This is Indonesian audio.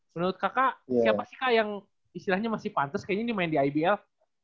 menurut kakak siapa sih kak yang istilahnya masih pantes kayaknya ini main di ibl